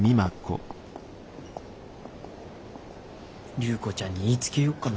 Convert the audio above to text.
隆子ちゃんに言いつけようかな。